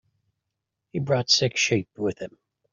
He brought six sheep with him.